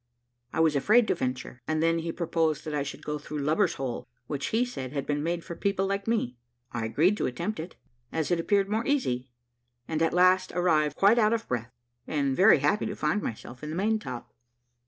I was afraid to venture, and then he proposed that I should go through lubber's hole, which he said had been made for people like me. I agreed to attempt it, as it appeared more easy, and at last arrived, quite out of breath, and very happy to find myself in the main top.